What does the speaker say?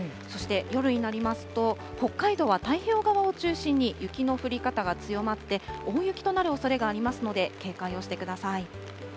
そして夜になりますと、北海道は太平洋側を中心に雪の降り方が強まって、大雪となるおそれがありますので、警戒をしてください。